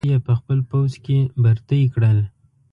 دوی یې په خپل پوځ کې برتۍ کړل.